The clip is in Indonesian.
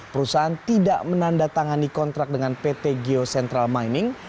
perusahaan tidak menandatangani kontrak dengan pt geo central mining